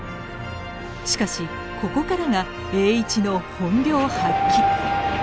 しかしここからが栄一の本領発揮。